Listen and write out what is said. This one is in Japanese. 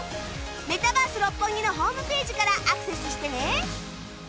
メタバース六本木のホームページからアクセスしてね！